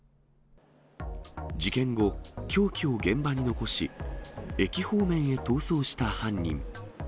事件後、凶器を現場に残し、駅方面へ逃走した犯人。